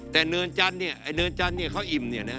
แต่เนินจันทร์เนี่ยเค้าอิ่มเนี่ยนะ